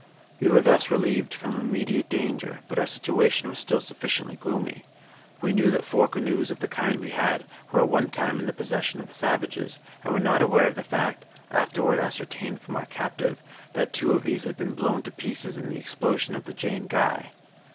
We were thus relieved from immediate danger, but our situation was still sufficiently gloomy. We knew that four canoes of the kind we had were at one time in the possession of the savages, and were not aware of the fact (afterward ascertained from our captive) that two of these had been blown to pieces in the explosion of the _Jane Guy.